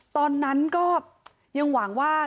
ตอนนั้นก็ยังหวังว่า